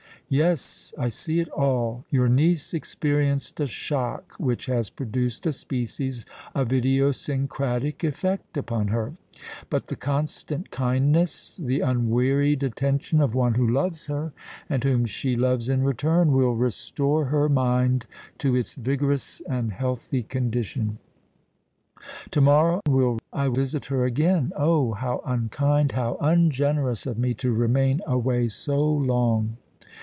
"Yes—I see it all: your niece experienced a shock which has produced a species of idiosyncratic effect upon her; but the constant kindness—the unwearied attention of one who loves her, and whom she loves in return, will restore her mind to its vigorous and healthy condition. To morrow will I visit her again:—Oh! how unkind—how ungenerous of me to remain away so long!"